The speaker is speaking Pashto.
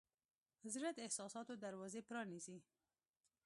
زړه د احساساتو دروازې پرانیزي.